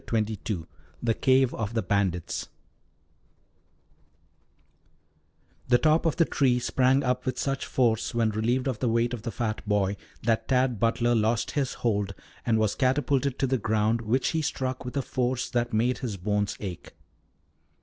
CHAPTER XXII THE CAVE OF THE BANDITS The top of the tree sprang up with such force, when relieved of the weight of the fat boy, that Tad Butler lost his hold and was catapulted to the ground, which he struck with a force that made his bones ache.